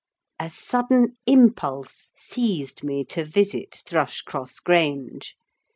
A sudden impulse seized me to visit Thrushcross Grange.